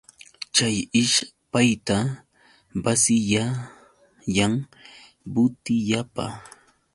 Chay ishpayta basiyayan butillapa.